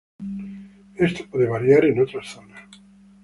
Esto puede variar en otras zonas.